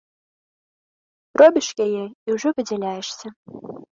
Робіш яе і ўжо выдзяляешся.